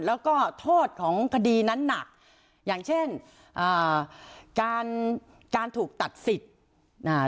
แล้วก็โทษของคดีนั้นหนักอย่างเช่นอ่าการการถูกตัดสิทธิ์อ่า